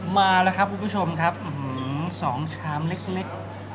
มาแล้วครับคุณผู้ชมครับ๒ชามเล็ก